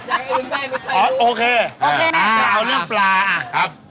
อย่างอื่นแม่ไม่เคยรู้อ๋อโอเคโอเคอ่าเอาเรื่องปลาอ่ะครับ